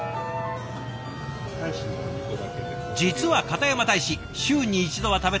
実は片山大使週に一度は食べたい